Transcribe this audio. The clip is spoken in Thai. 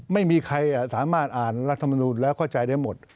ไม่มีใครสามารถอ่านรัฐมนุนแล้วเข้าใจได้หมด